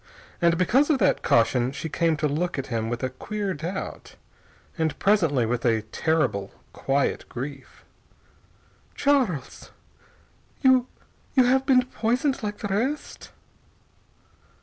And because of that caution she came to look at him with a queer doubt, and presently with a terrible quiet grief. "Charles you you have been poisoned like the rest?"